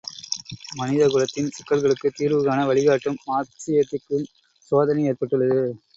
மனித குலத்தின் சிக்கல்களுக்குத் தீர்வுகாண வழிகாட்டும் மார்க்சியத்துக்கும் சோதனை ஏற்பட்டுள்ளது.